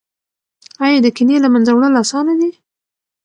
ایا د کینې له منځه وړل اسانه دي؟